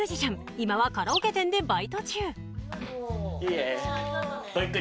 今はカラオケ店でバイト中ごゆっくり。